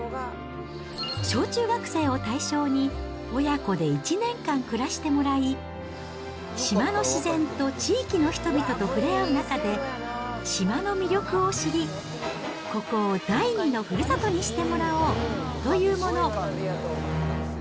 小中学生を対象に、親子で１年間暮らしてもらい、島の自然と地域の人々と触れ合う中で、島の魅力を知り、ここを第２のふるさとにしてもらおうというもの。